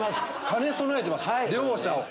兼ね備えてます両者を。